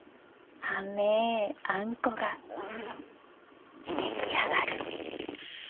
甘えあんこが出来上がる。